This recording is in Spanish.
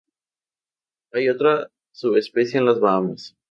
Hay otra subespecie en las Bahamas.